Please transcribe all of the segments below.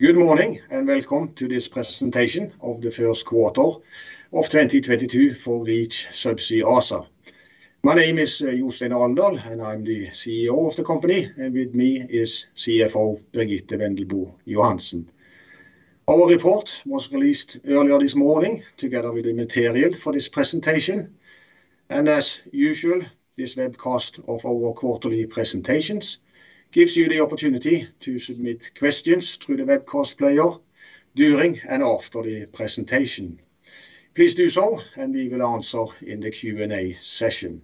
Good morning, and welcome to this presentation of the first quarter of 2022 for Reach Subsea ASA. My name is Jostein Alendal, and I'm the CEO of the company, and with me is CFO Birgitte Wendelbo Johansen. Our report was released earlier this morning together with the material for this presentation, and as usual, this webcast of our quarterly presentations gives you the opportunity to submit questions through the webcast player during and after the presentation. Please do so, and we will answer in the Q&A session.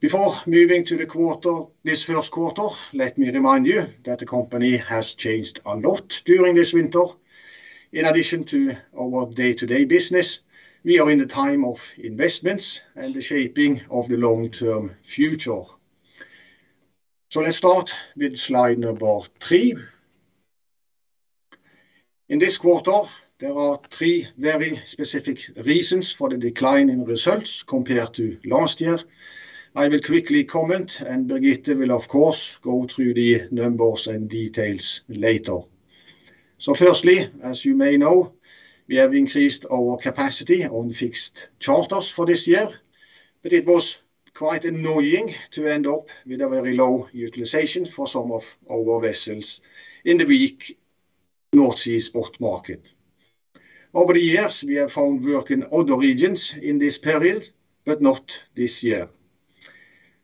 Before moving to the quarter, this first quarter, let me remind you that the company has changed a lot during this winter. In addition to our day-to-day business, we are in a time of investments and the shaping of the long-term future. Let's start with slide number three. In this quarter, there are three very specific reasons for the decline in results compared to last year. I will quickly comment, and Birgitte will, of course, go through the numbers and details later. Firstly, as you may know, we have increased our capacity on fixed charters for this year, but it was quite annoying to end up with a very low utilization for some of our vessels in the weak North Sea spot market. Over the years, we have found work in other regions in this period, but not this year.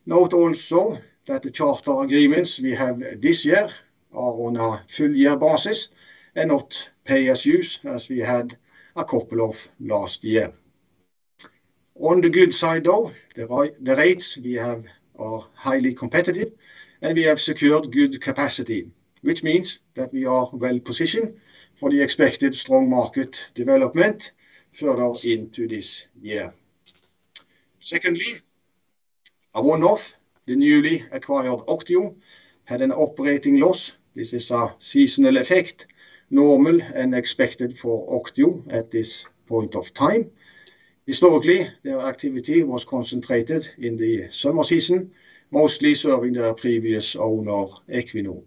Note also that the charter agreements we have this year are on a full year basis and not pay-as-you-go as we had a couple of last year. On the good side though, the rates we have are highly competitive, and we have secured good capacity, which means that we are well-positioned for the expected strong market development further into this year. Secondly, a one-off, the newly acquired OCTIO had an operating loss. This is a seasonal effect, normal and expected for OCTIO at this point of time. Historically, their activity was concentrated in the summer season, mostly serving their previous owner, Equinor.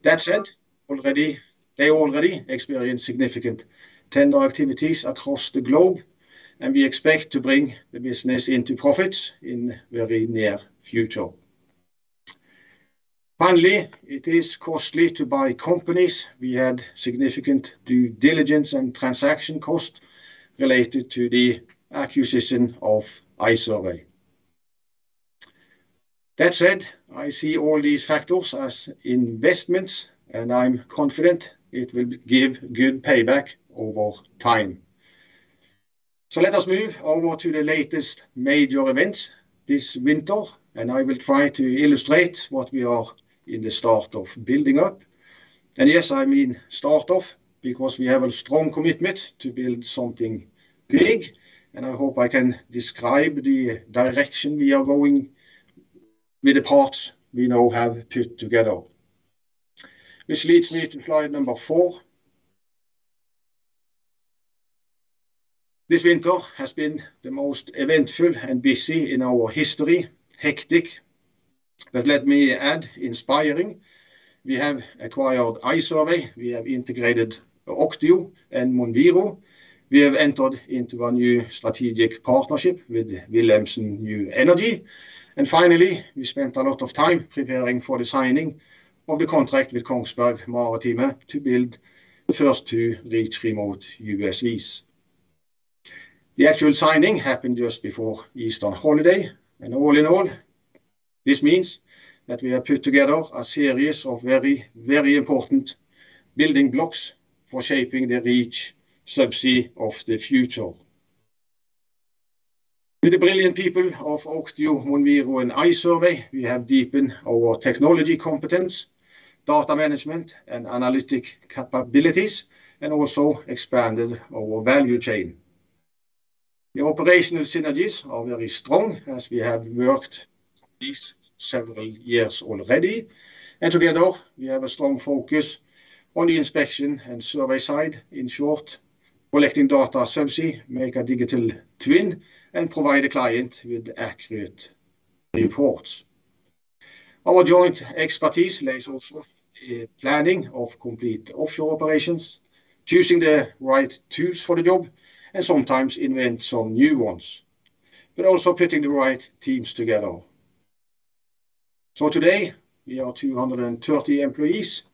That said, they already experienced significant tender activities across the globe, and we expect to bring the business into profits in very near future. Finally, it is costly to buy companies. We had significant due diligence and transaction costs related to the acquisition of iSURVEY. That said, I see all these factors as investments, and I'm confident it will give good payback over time. Let us move over to the latest major events this winter, and I will try to illustrate what we are in the start of building up. Yes, I mean start of because we have a strong commitment to build something big, and I hope I can describe the direction we are going with the parts we now have put together. Which leads me to slide number four. This winter has been the most eventful and busy in our history. Hectic, but let me add, inspiring. We have acquired iSURVEY, we have integrated OCTIO and MonViro, we have entered into a new strategic partnership with Wilhelmsen New Energy, and finally, we spent a lot of time preparing for the signing of the contract with Kongsberg Maritime to build the first two Reach Remote USVs. The actual signing happened just before Easter holiday. All in all, this means that we have put together a series of very, very important building blocks for shaping the Reach Subsea of the future. With the brilliant people of OCTIO, MonViro, and iSURVEY, we have deepened our technology competence, data management, and analytic capabilities, and also expanded our value chain. The operational synergies are very strong as we have worked these several years already, and together we have a strong focus on the inspection and survey side. In short, collecting data subsea, make a digital twin, and provide the client with accurate reports. Our joint expertise lies also in planning of complete offshore operations, choosing the right tools for the job, and sometimes invent some new ones, but also putting the right teams together. Today, we are 230 employees,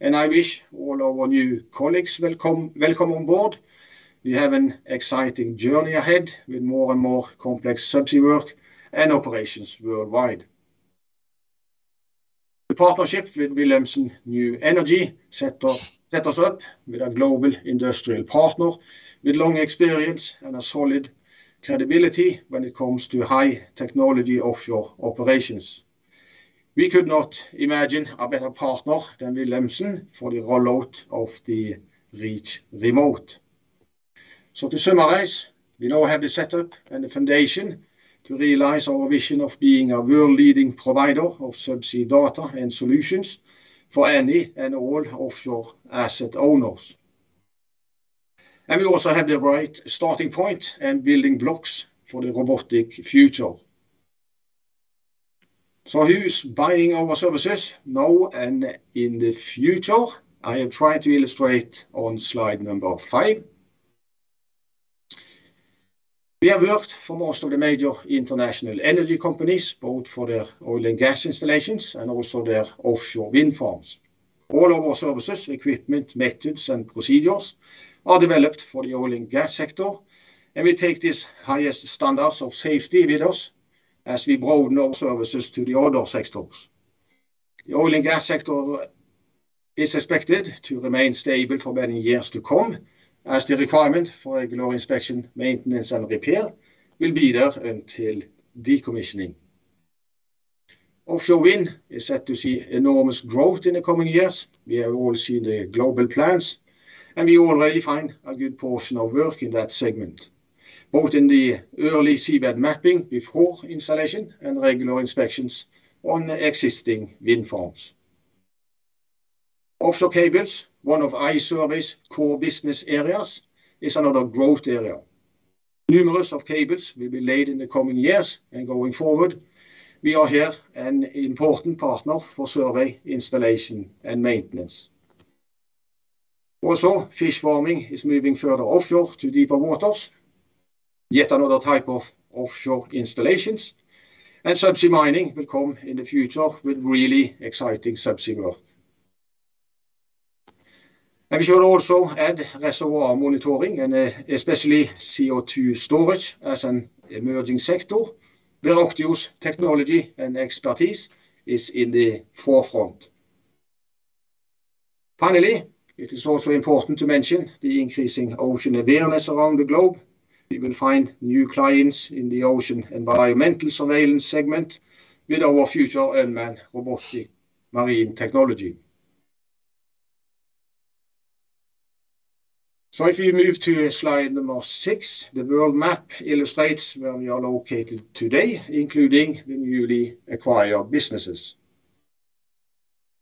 and I wish all our new colleagues welcome on board. We have an exciting journey ahead with more and more complex subsea work and operations worldwide. The partnership with Wilhelmsen New Energy set us up with a global industrial partner with long experience and a solid credibility when it comes to high technology offshore operations. We could not imagine a better partner than Wilhelmsen for the rollout of the Reach Remote. To summarize, we now have the setup and the foundation to realize our vision of being a world leading provider of subsea data and solutions for any and all offshore asset owners. We also have the right starting point and building blocks for the robotic future. Who's buying our services now and in the future? I have tried to illustrate on slide number five. We have worked for most of the major international energy companies, both for their oil and gas installations and also their offshore wind farms. All of our services, equipment, methods, and procedures are developed for the oil and gas sector, and we take these highest standards of safety with us as we broaden our services to the other sectors. The oil and gas sector is expected to remain stable for many years to come as the requirement for regular inspection, maintenance, and repair will be there until decommissioning. Offshore wind is set to see enormous growth in the coming years. We have all seen the global plans, and we already find a good portion of work in that segment, both in the early seabed mapping before installation and regular inspections on existing wind farms. Offshore cables, one of iSURVEY's core business areas, is another growth area. Numerous of cables will be laid in the coming years and going forward. We are here an important partner for survey, installation, and maintenance. Also, fish farming is moving further offshore to deeper waters, yet another type of offshore installations, and subsea mining will come in the future with really exciting subsea work. We should also add reservoir monitoring and especially CO2 storage as an emerging sector where OCTIO's technology and expertise is in the forefront. Finally, it is also important to mention the increasing ocean awareness around the globe. We will find new clients in the ocean environmental surveillance segment with our future unmanned robotic marine technology. If you move to slide number six, the world map illustrates where we are located today, including the newly acquired businesses.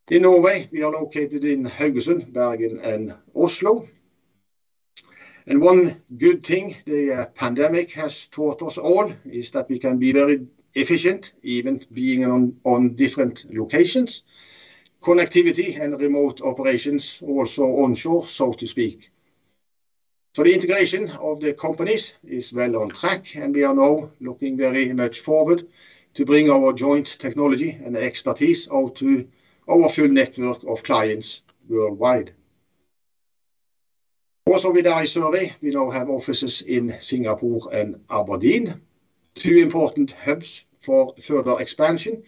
In Norway, we are located in Haugesund, Bergen, and Oslo. One good thing the pandemic has taught us all is that we can be very efficient even being on different locations. Connectivity and remote operations also onshore, so to speak. The integration of the companies is well on track, and we are now looking very much forward to bring our joint technology and expertise out to our full network of clients worldwide. Also with iSURVEY, we now have offices in Singapore and Aberdeen, two important hubs for further expansion,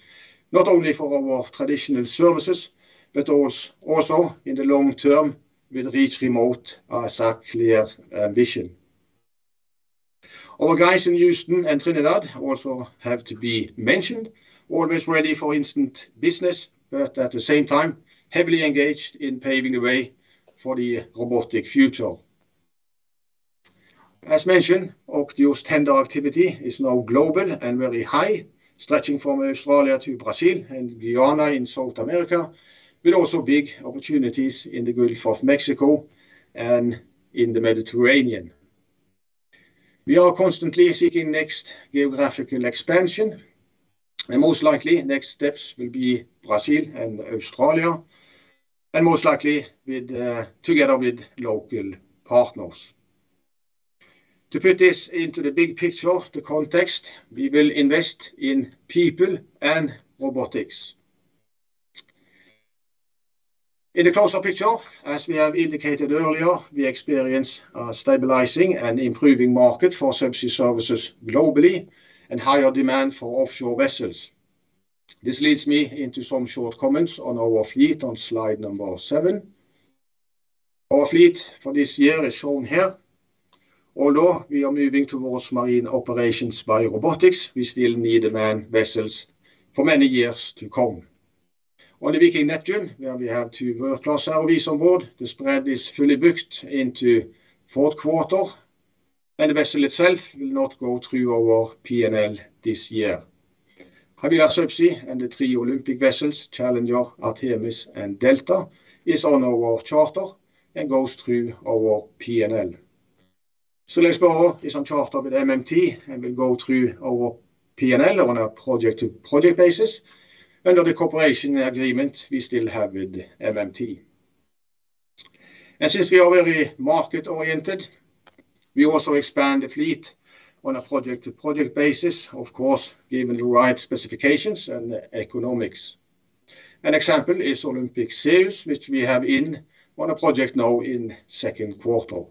not only for our traditional services, but also, in the long term, with Reach Remote as a clear ambition. Our guys in Houston and Trinidad also have to be mentioned, always ready for instant business, but at the same time, heavily engaged in paving the way for the robotic future. As mentioned, OCTIO's tender activity is now global and very high, stretching from Australia to Brazil and Guyana in South America, with also big opportunities in the Gulf of Mexico and in the Mediterranean. We are constantly seeking next geographical expansion, and most likely next steps will be Brazil and Australia, and most likely with, together with local partners. To put this into the big picture, the context, we will invest in people and robotics. In the closer picture, as we have indicated earlier, we experience a stabilizing and improving market for subsea services globally and higher demand for offshore vessels. This leads me into some short comments on our fleet on slide number seven. Our fleet for this year is shown here. Although we are moving towards marine operations by robotics, we still need manned vessels for many years to come. On the Viking Neptun, where we have two [WROVs Support], the spread is fully booked into fourth quarter, and the vessel itself will not go through our P&L this year. Havila Subsea and the three Olympic vessels, Challenger, Artemis, and Delta, is on our charter and goes through our P&L. The vessel is on charter with MMT and will go through our P&L on a project-to-project basis under the cooperation agreement we still have with MMT. Since we are very market-oriented, we also expand the fleet on a project-to-project basis, of course, given the right specifications and economics. An example is Olympic Sirius, which we have on a project now in second quarter.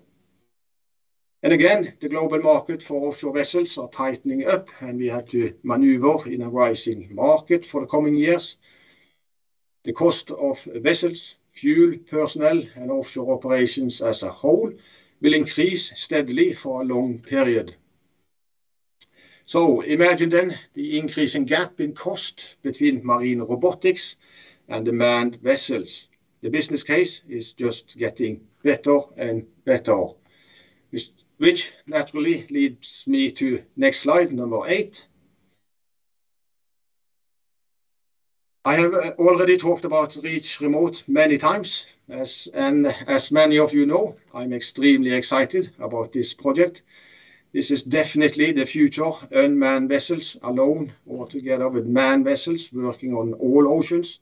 Again, the global market for offshore vessels are tightening up, and we have to maneuver in a rising market for the coming years. The cost of vessels, fuel, personnel, and offshore operations as a whole will increase steadily for a long period. Imagine then the increasing gap in cost between marine robotics and the manned vessels. The business case is just getting better and better, which naturally leads me to next slide, number eight. I have already talked about Reach Remote many times. As many of you know, I'm extremely excited about this project. This is definitely the future unmanned vessels alone or together with manned vessels working on all oceans.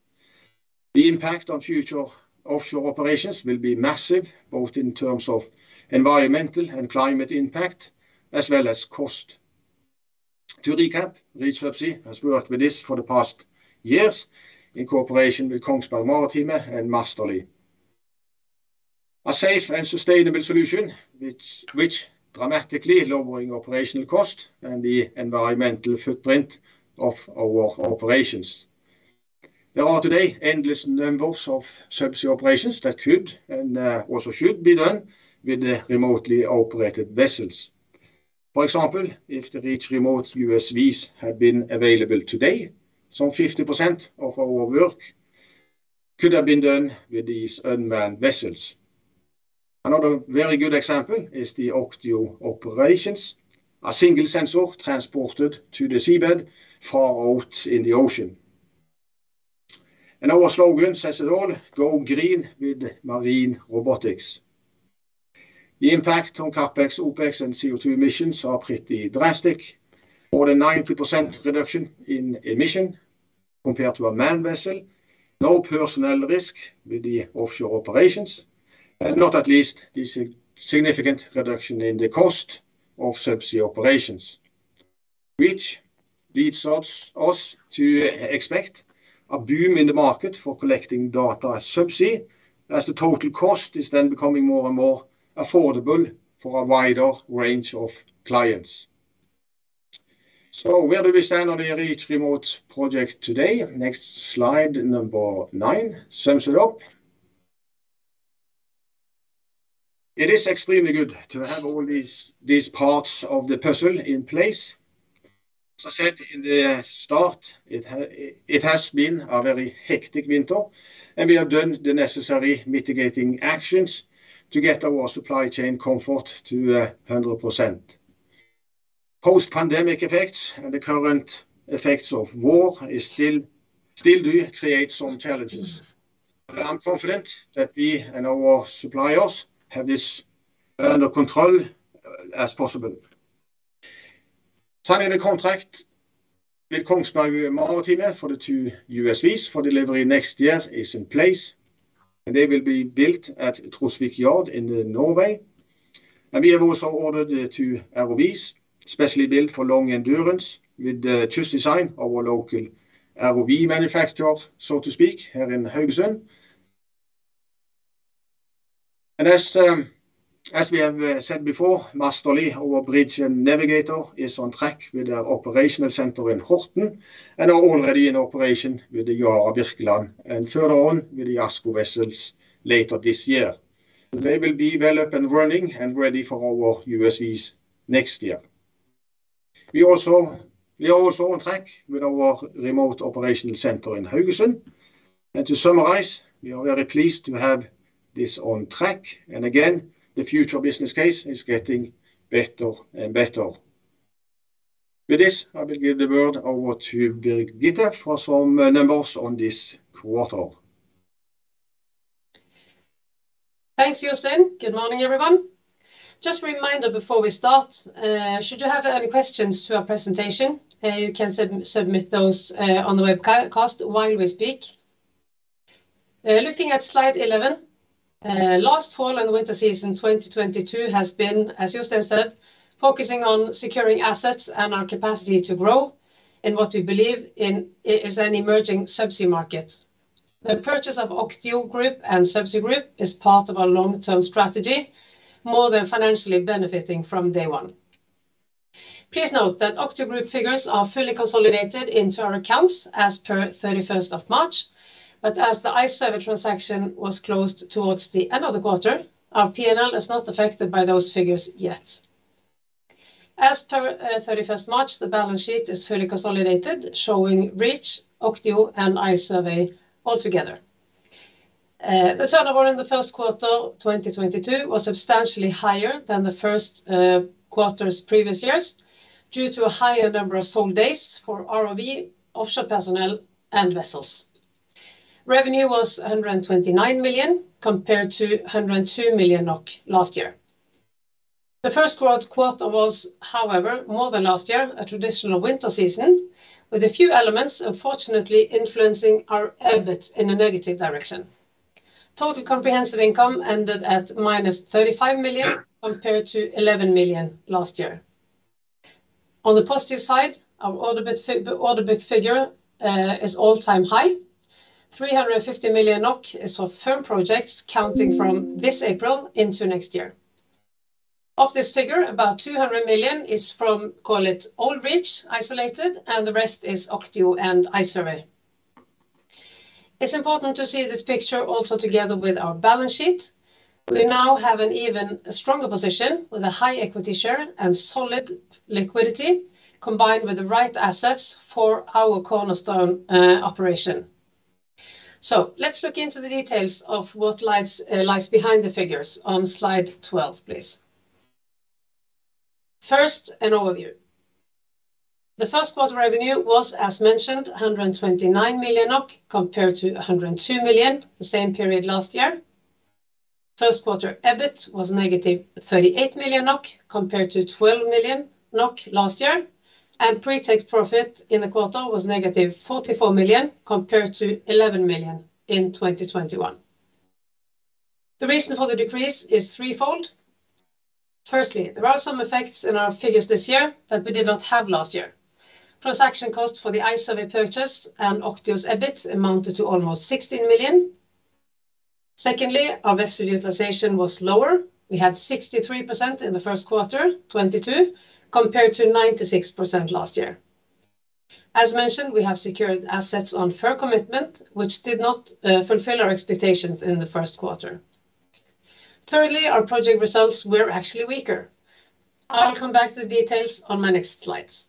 The impact on future offshore operations will be massive, both in terms of environmental and climate impact, as well as cost. To recap, Reach Subsea has worked with this for the past years in cooperation with Kongsberg Maritime and Massterly. A safe and sustainable solution which dramatically lowering operational cost and the environmental footprint of our operations. There are today endless numbers of subsea operations that could and also should be done with the remotely operated vessels. For example, if the Reach Remote USVs had been available today, some 50% of our work could have been done with these unmanned vessels. Another very good example is the OCTIO operations, a single sensor transported to the seabed far out in the ocean. Our slogan says it all, "Go green with marine robotics." The impact on CapEx, OpEx and CO2 emissions are pretty drastic. More than 90% reduction in emission compared to a manned vessel. No personnel risk with the offshore operations, and not at least this significant reduction in the cost of subsea operations, which leads us to expect a boom in the market for collecting data subsea as the total cost is then becoming more and more affordable for a wider range of clients. Where do we stand on the Reach Remote project today? Next slide, number nine, sums it up. It is extremely good to have all these parts of the puzzle in place. As I said in the start, it has been a very hectic winter, and we have done the necessary mitigating actions to get our supply chain comfort to 100%. Post-pandemic effects and the current effects of war still do create some challenges, but I'm confident that we and our suppliers have this under control as possible. Signing a contract with Kongsberg Maritime for the two USVs for delivery next year is in place, and they will be built at Trosvik Yard in Norway. We have also ordered two ROVs specially built for long endurance with the choice design of our local ROV manufacturer, so to speak, here in Haugesund. As we have said before, Massterly, our bridge and navigator, is on track with their operational center in Horten and are already in operation with the Yara Birkeland and further on with the ASKO vessels later this year. They will be well up and running and ready for our USVs next year. We are also on track with our remote operational center in Haugesund. To summarize, we are very pleased to have this on track. Again, the future business case is getting better and better. With this, I will give the word over to Birgitte for some numbers on this quarter. Thanks, Jostein. Good morning, everyone. Just a reminder before we start, should you have any questions to our presentation, you can submit those on the webcast while we speak. Looking at slide 11, last fall and winter season 2022 has been, as Jostein said, focusing on securing assets and our capacity to grow in what we believe is an emerging subsea market. The purchase of OCTIO Group and Subsea Group is part of our long-term strategy, more than financially benefiting from day one. Please note that OCTIO Group figures are fully consolidated into our accounts as per March 31st. As the iSURVEY transaction was closed towards the end of the quarter, our P&L is not affected by those figures yet. As per March 31st, the balance sheet is fully consolidated, showing Reach, OCTIO and iSURVEY altogether. The turnover in the first quarter 2022 was substantially higher than the first quarters previous years, due to a higher number of sold days for ROV, offshore personnel and vessels. Revenue was 129 million, compared to 102 million NOK last year. The first quarter was, however, more than last year, a traditional winter season with a few elements unfortunately influencing our EBIT in a negative direction. Total comprehensive income ended at -35 million compared to 11 million last year. On the positive side, our order book figure is all-time high. 350 million NOK is for firm projects counting from this April into next year. Of this figure, about 200 million is from, call it, all Reach isolated and the rest is OCTIO and iSURVEY. It's important to see this picture also together with our balance sheet. We now have an even stronger position with a high equity share and solid liquidity, combined with the right assets for our cornerstone operation. Let's look into the details of what lies behind the figures on slide 12, please. First, an overview. The first quarter revenue was, as mentioned, 129 million NOK compared to 102 million the same period last year. First quarter EBIT was -38 million NOK compared to 12 million NOK last year. Pre-tax profit in the quarter was -44 million compared to 11 million in 2021. The reason for the decrease is threefold. Firstly, there are some effects in our figures this year that we did not have last year. Transaction costs for the iSURVEY purchase and OCTIO's EBIT amounted to almost 16 million. Secondly, our vessel utilization was lower. We had 63% in the first quarter 2022 compared to 96% last year. As mentioned, we have secured assets on firm commitment, which did not fulfill our expectations in the first quarter. Thirdly, our project results were actually weaker. I'll come back to the details on my next slides.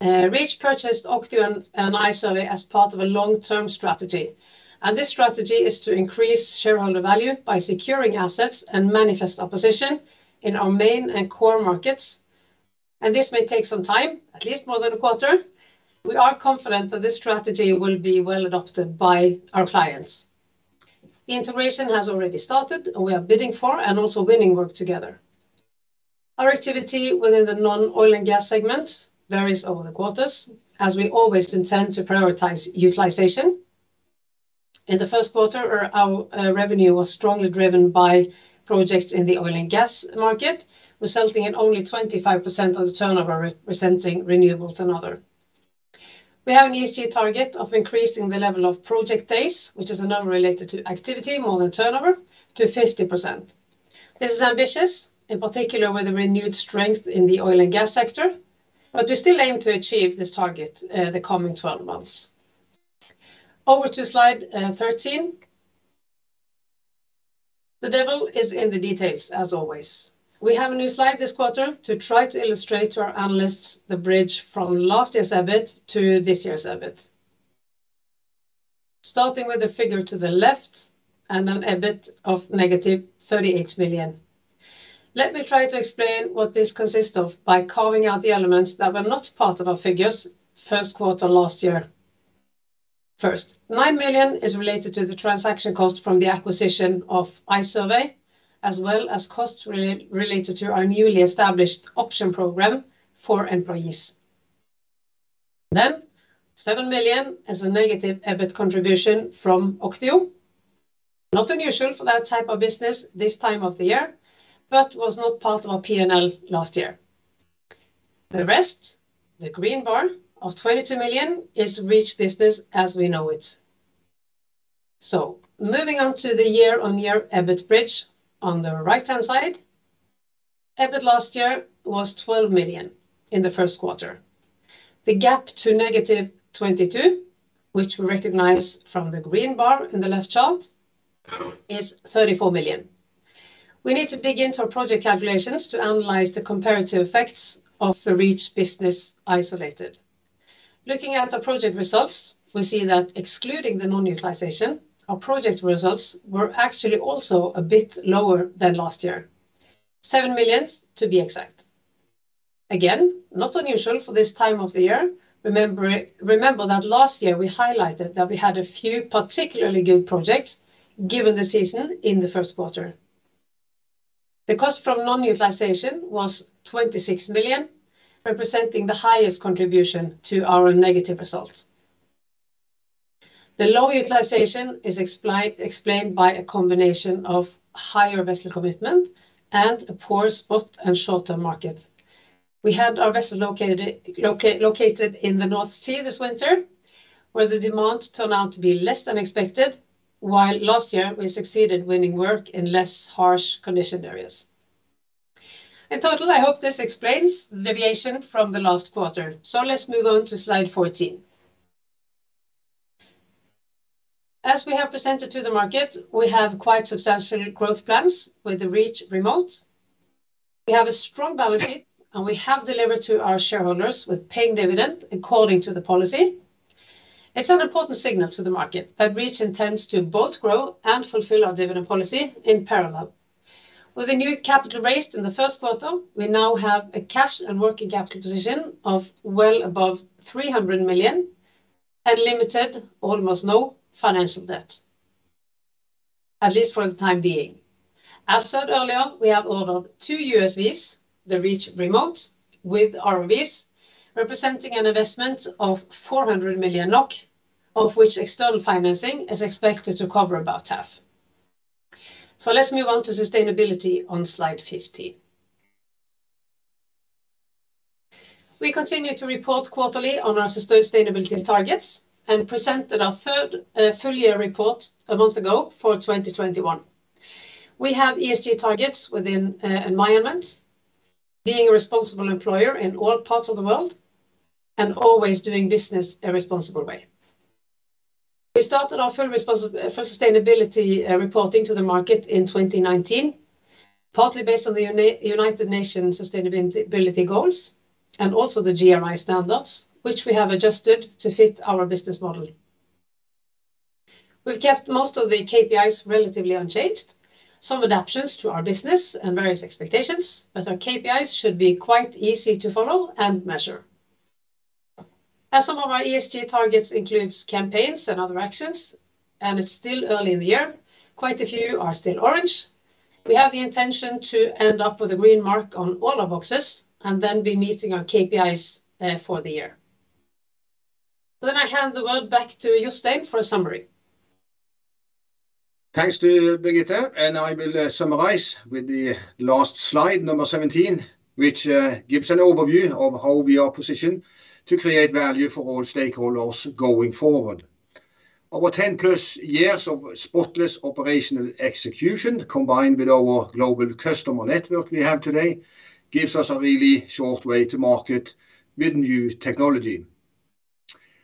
Reach purchased OCTIO and iSURVEY as part of a long-term strategy, and this strategy is to increase shareholder value by securing assets and manifest our position in our main and core markets, and this may take some time, at least more than a quarter. We are confident that this strategy will be well adopted by our clients. Integration has already started, and we are bidding for and also winning work together. Our activity within the non-oil and gas segment varies over the quarters, as we always intend to prioritize utilization. In the first quarter, our revenue was strongly driven by projects in the oil and gas market, resulting in only 25% of the turnover representing renewables and other. We have an ESG target of increasing the level of project days, which is a number related to activity more than turnover, to 50%. This is ambitious, in particular with the renewed strength in the oil and gas sector, but we still aim to achieve this target, the coming 12 months. Over to slide 13. The devil is in the details as always. We have a new slide this quarter to try to illustrate to our analysts the bridge from last year's EBIT to this year's EBIT. Starting with the figure to the left and an EBIT of -38 million. Let me try to explain what this consists of by carving out the elements that were not part of our figure's first quarter last year. First, 9 million is related to the transaction cost from the acquisition of iSURVEY, as well as costs related to our newly established option program for employees. Then 7 million is a negative EBIT contribution from OCTIO. Not unusual for that type of business this time of the year, but was not part of our P&L last year. The rest, the green bar of 22 million, is Reach business as we know it. Moving on to the year-on-year EBIT bridge on the right-hand side. EBIT last year was 12 million in the first quarter. The gap to -22 million, which we recognize from the green bar in the left chart, is 34 million. We need to dig into our project calculations to analyze the comparative effects of the Reach business isolated. Looking at the project results, we see that excluding the non-utilization, our project results were actually also a bit lower than last year. 7 million to be exact. Again, not unusual for this time of the year. Remember that last year we highlighted that we had a few particularly good projects given the season in the first quarter. The cost from non-utilization was 26 million, representing the highest contribution to our negative results. The low utilization is explained by a combination of higher vessel commitment and a poor spot and short-term market. We had our vessels located in the North Sea this winter, where the demand turned out to be less than expected, while last year we succeeded winning work in less harsh condition areas. In total, I hope this explains the deviation from the last quarter. Let's move on to slide 14. As we have presented to the market, we have quite substantial growth plans with the Reach Remote. We have a strong balance sheet, and we have delivered to our shareholders with paying dividend according to the policy. It's an important signal to the market that Reach intends to both grow and fulfill our dividend policy in parallel. With the new capital raised in the first quarter, we now have a cash and working capital position of well above 300 million and limited, almost no financial debt, at least for the time being. As said earlier, we have ordered two USVs, the Reach Remote, with ROVs, representing an investment of 400 million NOK, of which external financing is expected to cover about half. Let's move on to sustainability on slide 15. We continue to report quarterly on our sustainability targets and presented our third full year report a month ago for 2021. We have ESG targets within environment, being a responsible employer in all parts of the world and always doing business a responsible way. We started our full sustainability reporting to the market in 2019, partly based on the United Nations sustainability goals and also the GRI standards, which we have adjusted to fit our business model. We've kept most of the KPIs relatively unchanged. Some adaptations to our business and various expectations with our KPIs should be quite easy to follow and measure. As some of our ESG targets includes campaigns and other actions, and it's still early in the year, quite a few are still orange. We have the intention to end up with a green mark on all our boxes and then be meeting our KPIs for the year. I hand the word back to Jostein for a summary. Thanks to Birgitte, and I will summarize with the last slide, number 17, which gives an overview of how we are positioned to create value for all stakeholders going forward. Our 10+ years of spotless operational execution combined with our global customer network we have today gives us a really short way to market with new technology.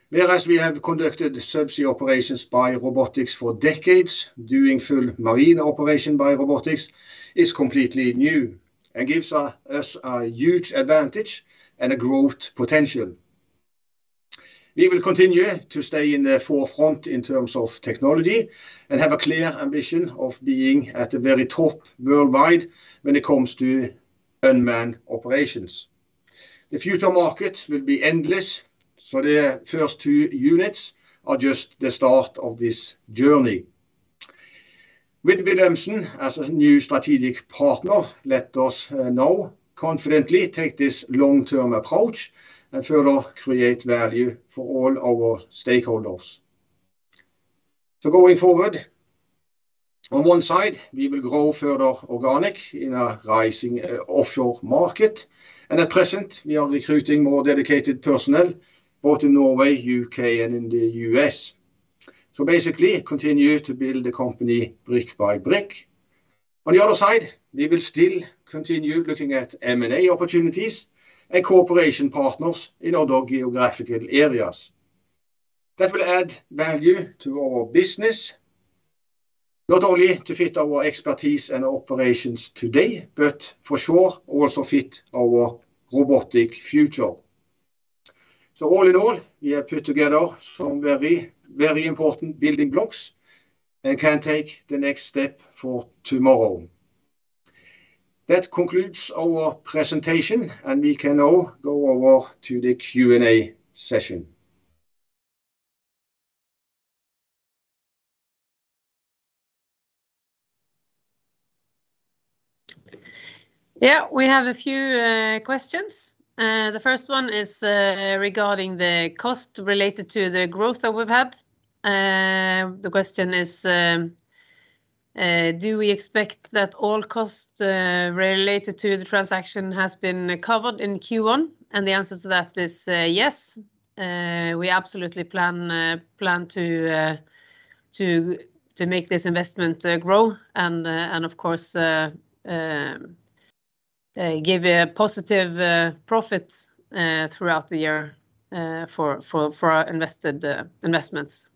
Whereas we have conducted subsea operations by robotics for decades, doing full marine operation by robotics is completely new and gives us a huge advantage and a growth potential. We will continue to stay in the forefront in terms of technology and have a clear ambition of being at the very top worldwide when it comes to unmanned operations. The future market will be endless, so the first two units are just the start of this journey. With Wilhelmsen as a new strategic partner, let us now confidently take this long-term approach and further create value for all our stakeholders. Going forward, on one side we will grow further organic in a rising offshore market, and at present we are recruiting more dedicated personnel both in Norway, U.K., and in the U.S. Basically continue to build the company brick by brick. On the other side, we will still continue looking at M&A opportunities and cooperation partners in other geographical areas. That will add value to our business, not only to fit our expertise and operations today, but for sure also fit our robotic future. All in all, we have put together some very, very important building blocks and can take the next step for tomorrow. That concludes our presentation, and we can now go over to the Q&A session. Yeah, we have a few questions, the first one is regarding the cost related to the growth that we've had. The question is, do we expect that all costs related to the transaction has been covered in Q1? The answer to that is, yes. We absolutely plan to make this investment grow and of course give a positive profits throughout the year for our invested investments.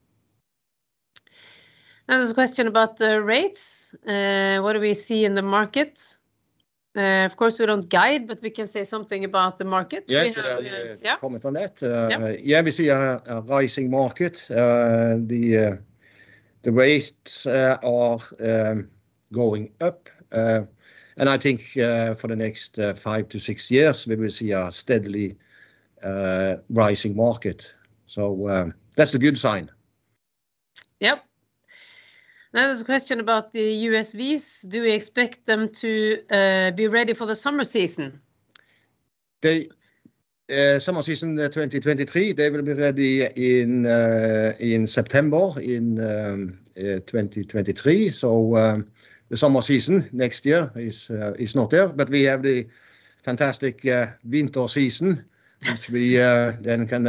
Now there's a question about the rates. What do we see in the market? Of course we don't guide, but we can say something about the market. Yeah. Comment on that? Yeah. Yeah, we see a rising market. The rates are going up, and I think for the next five to six years we will see a steadily rising market, so that's a good sign. Yep. Now there's a question about the USVs. Do we expect them to be ready for the summer season? The summer season 2023, they will be ready in September 2023, so the summer season next year is not there. We have the fantastic winter season which we then can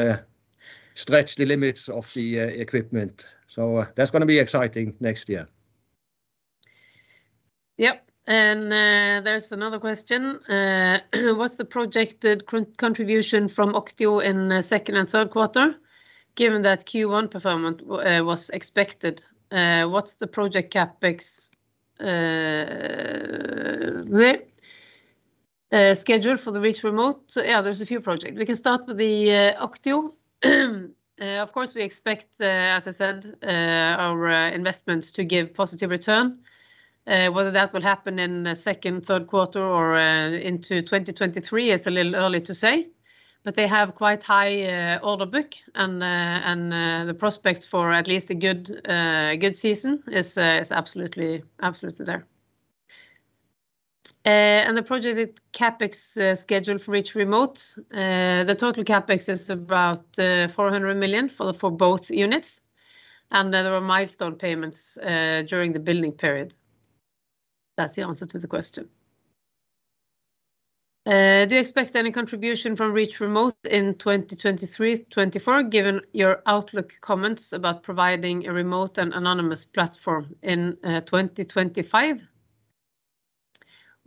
stretch the limits of the equipment, so that's gonna be exciting next year. Yep, there's another question. What's the projected contribution from OCTIO in second and third quarter? Given that Q1 performance was expected, what's the projected CapEx there scheduled for the Reach Remote? Yeah, there's a few projects. We can start with the OCTIO. Of course, we expect, as I said, our investments to give positive return. Whether that will happen in the second, third quarter or into 2023 is a little early to say, but they have quite high order book and the prospects for at least a good season is absolutely there. The projected CapEx schedule for Reach Remote, the total CapEx is about 400 million for both units, and there are milestone payments during the building period. That's the answer to the question. Do you expect any contribution from Reach Remote in 2023, 2024, given your outlook comments about providing a remote and autonomous platform in 2025?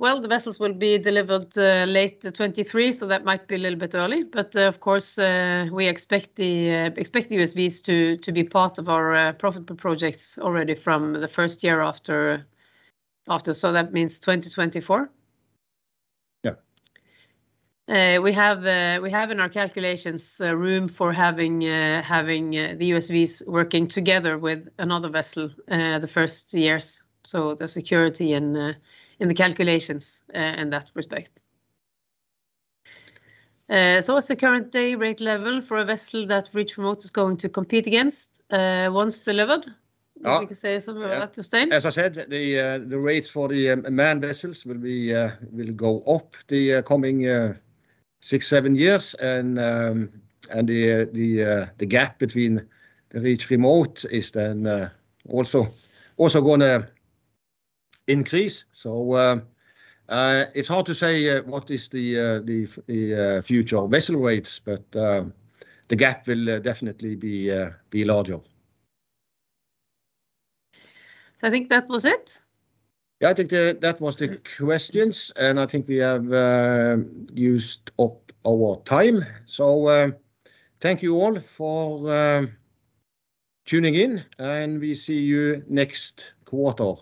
Well, the vessels will be delivered late 2023, so that might be a little bit early but, of course, we expect the USVs to be part of our profitable projects already from the first year after, so that means 2024. Yeah. We have in our calculations room for having the USVs working together with another vessel, the first years, so there's security in the calculations in that respect. What's the current day rate level for a vessel that Reach Remote is going to compete against once delivered? Ah. If you can say something about that, Jostein. Yeah. As I said, the rates for the manned vessels will go up the coming six to seven years and the gap between the Reach Remote is then also gonna increase. It's hard to say what is the future vessel rates, but the gap will definitely be larger. I think that was it. Yeah. I think that was the questions, and I think we have used up our time. Thank you all for tuning in, and we see you next quarter.